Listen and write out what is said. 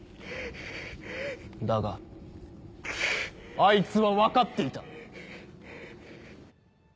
だがあいつは分かっていた。